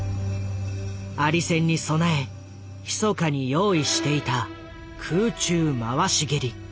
アリ戦に備えひそかに用意していた「空中回し蹴り」。